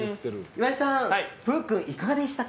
岩井さん、プー君いかがでしたか？